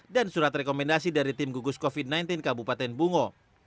dan surat rekomendasi dari tim gugus covid sembilan belas kabupaten bungo